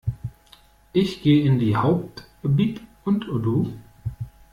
Ich geh in die Hauptbib, und du?